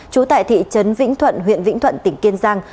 trú tại thị trấn vĩnh thuận huyện vĩnh thuận tỉnh kiên giang